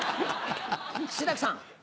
志らくさん。